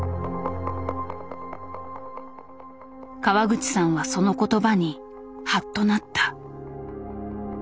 川口さんはその言葉にハッとなった。